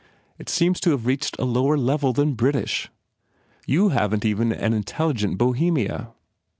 It seems to have reached a lower level than Brit ish! You haven t even an intelligent Bohemia."